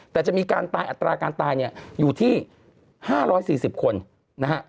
แต่จะมีอัตราการตายอยู่ที่๕๔๐คนนะฮะ